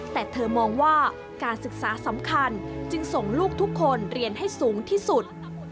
แต่เธอมองว่าการศึกษาสำคัญจึงส่งลูกทุกคนเรียนให้สูงที่สุด